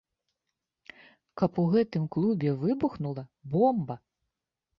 Каб у гэтым клубе выбухнула бомба!